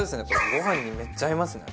ご飯にめっちゃ合いますね。